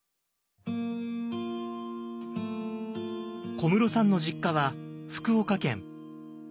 小室さんの実家は福岡県。